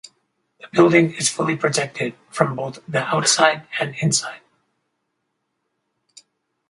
The building is fully protected from both the outside and inside.